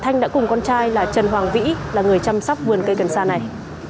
thanh đã cùng con trai là trần hoàng vĩ là người chăm sóc vườn cây cần sa này